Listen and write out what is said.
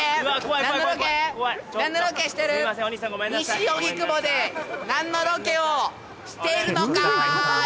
西荻窪で何のロケをしているのかい？